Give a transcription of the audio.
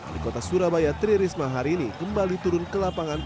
di kota surabaya tri risma hari ini kembali turun ke lapangan